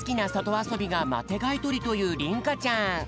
あそびがマテがいとりというりんかちゃん。